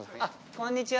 こんにちは。